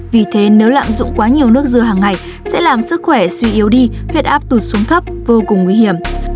vì thế nếu lạm dụng quá nhiều nước dưa hàng ngày sẽ làm sức khỏe suy yếu đi huyết áp tụt xuống thấp vô cùng nguy hiểm